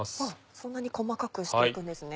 そんなに細かくしていくんですね。